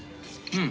うん。